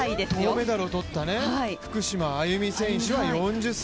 銅メダルをとった福島あゆみ選手は４０歳。